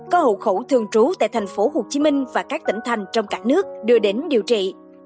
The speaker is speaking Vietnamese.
có hậu khẩu thường trú tại thành phố hồ chí minh và các tỉnh thành trong cả nước đưa đến điều trị